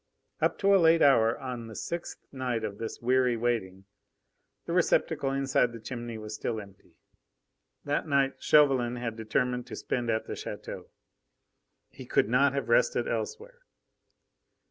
Up to a late hour on the sixth night of this weary waiting, the receptacle inside the chimney was still empty. That night Chauvelin had determined to spend at the chateau. He could not have rested elsewhere.